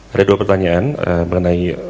ada dua pertanyaan mengenai